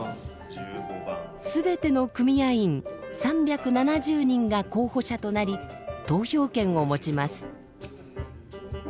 全ての組合員３７０人が候補者となり投票権を持ちます。